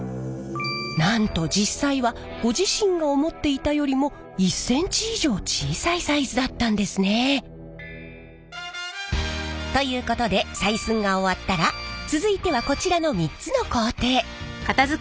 なんと実際はご自身が思っていたよりも１ｃｍ以上小さいサイズだったんですね！ということで採寸が終わったら続いてはこちらの３つの工程。